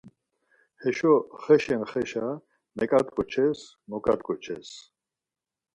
Heşo xeşen xeşa meǩat̆ǩoçes moǩat̆ǩoçes.